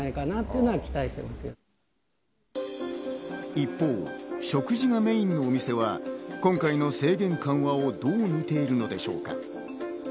一方、食事がメインのお店は今回の制限緩和をどう見ているのでしょうか。